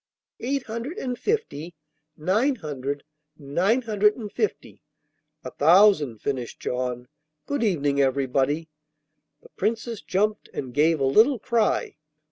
'Eight hundred and fifty, nine hundred, nine hundred and fifty ' 'A thousand,' finished John. 'Good evening everybody!' The Princess jumped and gave a little cry.